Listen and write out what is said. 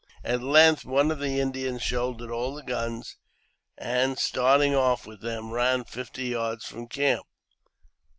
At length one of the Indians shouldered all the guns, and, starting off with them, ran fifty yards from camp.